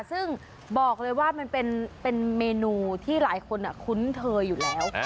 ซึ่งบอกเลยว่ามันเป็นเมนูที่หลายคนคุ้นเคยอยู่แล้ว